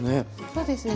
そうですね。